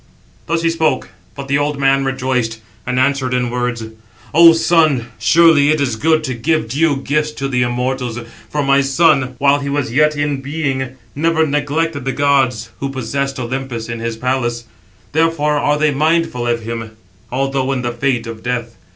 Thus he spoke; but the old man rejoiced, and answered in words: "O son, surely it is good to give due gifts to the immortals, for my son, while he was yet in being, never neglected the gods who possess Olympus, in his palace; therefore are they mindful of him, although in the fate of death.